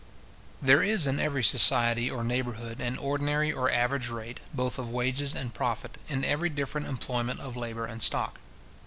There is in every society or neighbourhood an ordinary or average rate, both of wages and profit, in every different employment of labour and stock.